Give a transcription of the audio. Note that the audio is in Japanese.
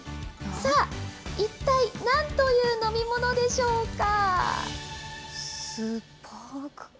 さあ、一体なんという飲み物でしスパーク？